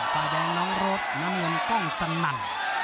ก่อนเองน้องโรธน้องน้องลมกล่องสะหนัน